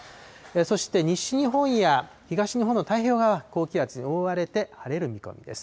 そして西日本や東日本の太平洋側、高気圧に覆われて晴れる見込みです。